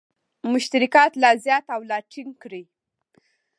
مشترکات لا زیات او لا ټینګ کړي.